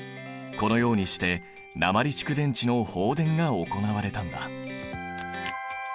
このようにして鉛蓄電池の放電が行われたんだ。